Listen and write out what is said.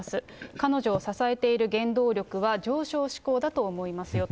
彼女を支えている原動力は、上昇志向だと思いますよと。